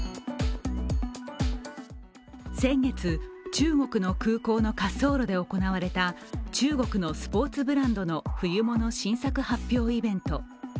先月、中国の空港の滑走路で行われた中国のスポーツブランドの冬物新作発表イベント。